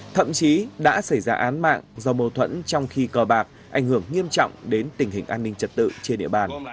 thậm chí đã xảy ra án mạng do mâu thuẫn trong khi cờ bạc ảnh hưởng nghiêm trọng đến tình hình an ninh trật tự trên địa bàn